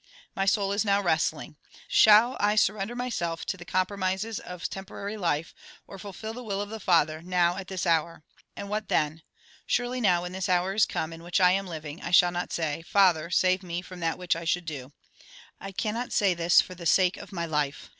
My soul is now wrestling. ShaU I surrender my self to the compromises of temporary life, or fulfil the will of the Father, now, at this hour ? And what then ? Surely now, when this hour is come in which I am Living, I shall not say :' Father, save me from that which I should do.' I cannot 9 130 THE GOSPEL IN BRIEF say this for the sake of my life.